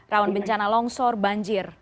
rawan bencana longsor banjir